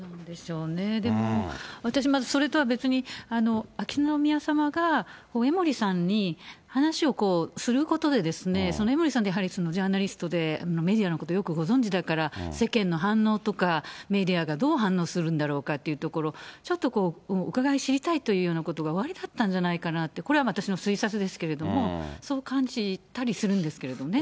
でも、私、まずそれとは別に、秋篠宮さまが江森さんに話をすることで、その江森さんってやはりジャーナリストで、メディアのことよくご存じだから世間の反応とか、メディアがどう反応するんだろうかっていうところ、ちょっとうかがい知りたいというところがおありだったんじゃないかなって、これ、私の推察ですけれども、そう感じたりするんですけどね。